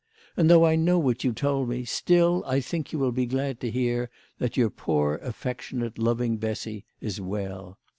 And though I know what you told me, still I think you will be glad to hear that your poor affec tionate loving Bessy is well.